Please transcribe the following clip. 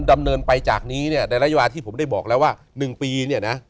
ดำเนินไปจากนี้เนี่ยในระยะที่ผมได้บอกแล้วว่า๑ปีเนี่ยนะ